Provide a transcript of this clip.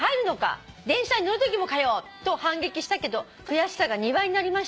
「電車に乗るときもかよ！と反撃したけど悔しさが２倍になりました」